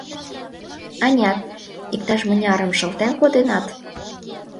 Анят, иктаж-мынярым шылтен коденат?